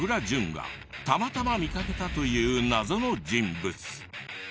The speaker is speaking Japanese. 潤がたまたま見かけたという謎の人物。